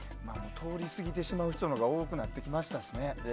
通り過ぎてしまう人のほうが多くなってきましたしね。